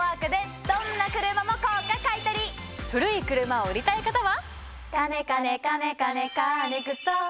古い車を売りたい方は。